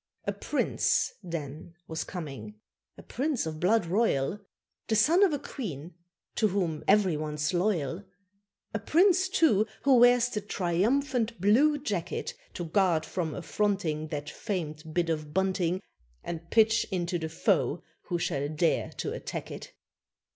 A Prince, then, was coming a Prince of Blood Royal The son of a Queen to whom every one's loyal; A Prince, too, who wears the triumphant blue jacket, To guard from affronting That famed bit of bunting, And pitch into the foe who shall dare to attack it.